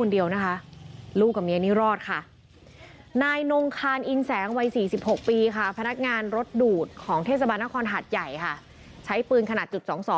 พี่สบานคอนหัดใหญ่ค่ะใช้ปืนขนาด๒๒